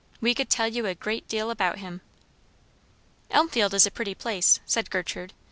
We could tell you a great deal about him." "Elmfield is a pretty place," said Gertrude.